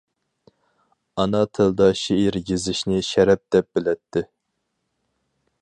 ئانا تىلدا شېئىر يېزىشنى شەرەپ دەپ بىلەتتى.